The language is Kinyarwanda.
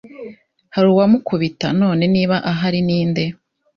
hari uwamukubita?none niba ahari ninde?